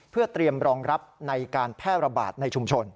เพื่อเตรียมรองรับในการแพร่ระบาดในชุมชน